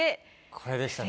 これでしたね。